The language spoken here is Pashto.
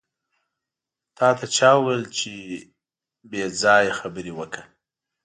تاته چا وېل چې پې ځایه خبرې وکړه.